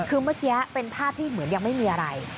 คือเมื่อกี้เป็นภาพที่เหมือนยังไม่มีอะไร